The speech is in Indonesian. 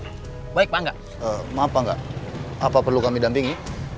oh baik pak angga maaf pak angga apa perlu kami dampingi